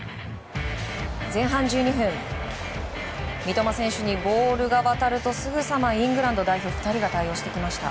前半１２分三笘選手にボールが渡るとすぐさま、イングランド代表２人が対応してきました。